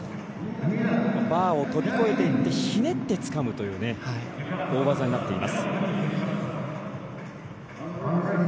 バーを飛び越えていってひねって使うという大技になっています。